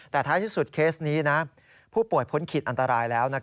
แต่ท้ายที่สุดเคสนี้ผู้ป่วยพ้นขีดอันตรายแล้ว